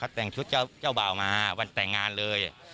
แต่งชุดเจ้าบ่าวมาวันแต่งงานเลย